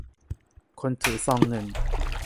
คนถือซองเงิน